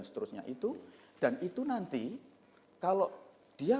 seterusnya itu dan itu nanti kalau dia